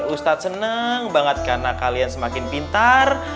ustadz senang banget karena kalian semakin pintar